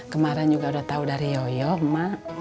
kemarin juga udah tahu dari yoyo emak